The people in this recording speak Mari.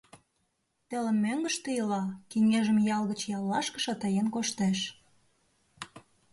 Телым мӧҥгыштӧ ила, кеҥежым ял гыч яллашке шатаен коштеш.